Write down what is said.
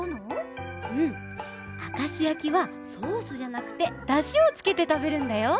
うんあかしやきはソースじゃなくてだしをつけてたべるんだよ。